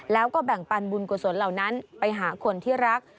แล้วก็แบ่งปันบุญกุศลเหล่านั้นไปหาคนที่รัก